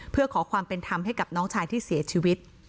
เพื่อขอความเป็นธรรมให้กับน้องชายที่เสียชีวิต